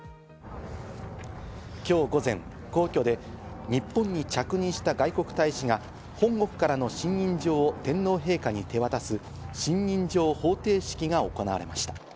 今日午前、皇居で日本に着任した外国大使が本国からの信任状を天皇陛下に手渡す信任状捧呈式が行われました。